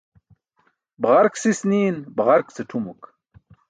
Baġark sis niin baġark ce tʰumuk.